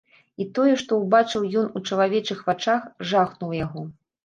І тое, што ўбачыў ён у чалавечых вачах, жахнула яго.